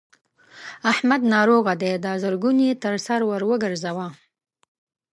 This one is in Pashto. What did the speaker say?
احمد ناروغ دی؛ دا زرګون يې تر سر ور ګورځوه.